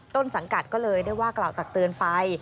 ต้นสังกัดก็เลยได้ว่ากล่าวตักเตือนไป